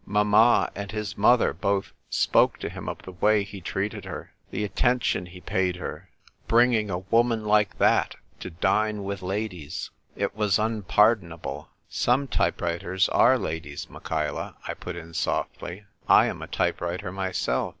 Mamma and his mother both spoke to him of the way he treated her — the attention he paid her — bringing a woman like that to dine with ladies, it was unpar donable." "Some type writers are ladies, Michaela," I put in softly. "I am a type writer myself."